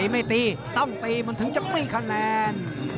ไม่ตีต้องตีมันถึงจะปี้คะแนน